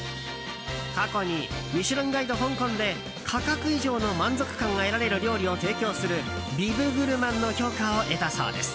過去に「ミシュランガイド香港」で価格以上の満足感が得られる料理を提供するビブグルマンの評価を得たそうです。